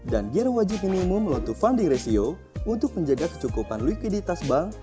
lima dan gear wajib minimum loan to funding ratio untuk menjaga kecukupan likuiditas bank